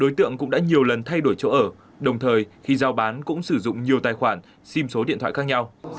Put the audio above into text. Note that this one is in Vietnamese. đối tượng cũng đã nhiều lần thay đổi chỗ ở đồng thời khi giao bán cũng sử dụng nhiều tài khoản sim số điện thoại khác nhau